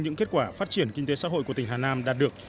những kết quả phát triển kinh tế xã hội của tỉnh hà nam đạt được